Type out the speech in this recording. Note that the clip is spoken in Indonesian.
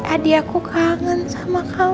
adik aku kangen sama kamu